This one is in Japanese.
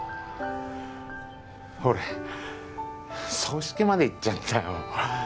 俺葬式まで行っちゃったよ